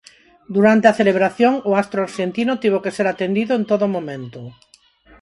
Durante a celebración, o astro arxentino tivo que ser atendido en todo momento.